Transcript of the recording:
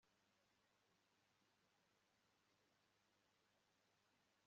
tujye kunywa kamwe ntiya ntengushye twarahageze